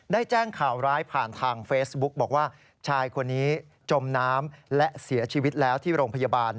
ได้แจ้งข่าวร้ายผ่านทางเฟซบุ๊กบอกว่าชายคนนี้จมน้ำและเสียชีวิตแล้วที่โรงพยาบาล